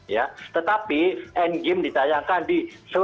ya tetapi endgame ditayangkan di seribu enam ratus lima puluh